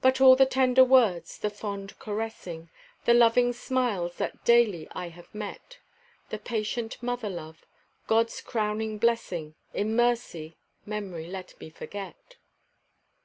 But all the tender words, the fond caressing, The loving smiles that daily I have met, The patient mother love, God's crowning blessing, In mercy, Memory, let me forget.